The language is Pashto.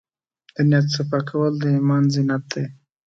د نیت صفا کول د ایمان زینت دی.